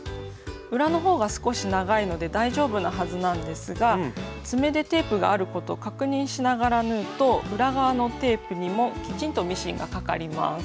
裏の方が少し長いので大丈夫なはずなんですが爪でテープがあることを確認しながら縫うと裏側のテープにもきちんとミシンがかかります。